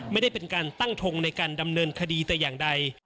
ไม่ได้เป็นการตั้งทงในการดำเนินคดีแต่อย่างใด